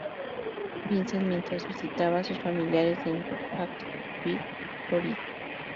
Vincent mientras visitaba a sus familiares en Jacksonville, Florida.